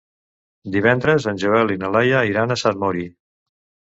Divendres en Joel i na Laia iran a Sant Mori.